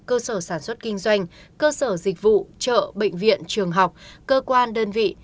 cơ sở sản xuất kinh doanh cơ sở dịch vụ chợ bệnh viện trường học cơ quan đơn vị